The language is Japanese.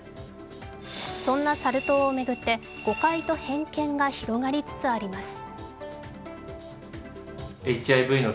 そんなサル痘を巡って誤解と偏見が広がりつつあります。